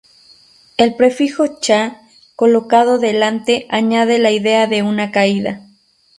El prefijo "cha", colocado delante, añade la idea de una caída.